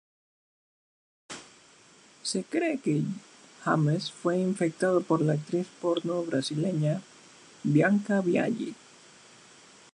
Se cree que James fue infectado por la actriz porno brasileña Bianca Biaggi.